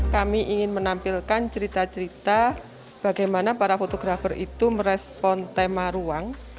kami ingin menampilkan cerita cerita bagaimana para fotografer itu merespon tema ruang